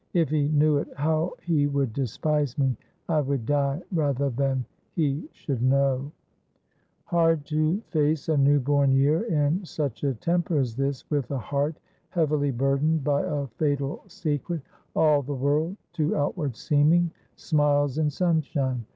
If he knew it, how he would despise me! I would die rather than he should know !''/ deme that Hire Herte loas Ful of Wo.' 213 Hard to face a new born year in such a temper as this, with a heart heavily burdened by a fatal secret ; all the world, to outward seeming, smiles and sunshine.